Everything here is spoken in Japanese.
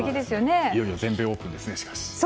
いよいよ全米オープンですね。